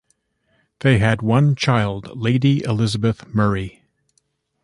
They had one child, Lady Elizabeth Murray.